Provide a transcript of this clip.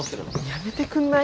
やめてくんない？